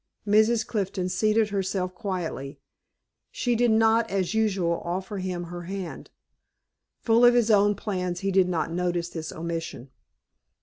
Mrs. Clifton seated herself quietly. She did not, as usual, offer him her hand. Full of his own plans, he did not notice this omission.